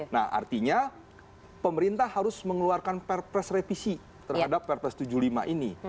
nah artinya pemerintah harus mengeluarkan perpres revisi terhadap perpres tujuh puluh lima ini